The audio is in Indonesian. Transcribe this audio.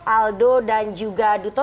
aldo dan juga duto